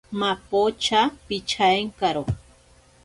Mapocha pichaenkaro.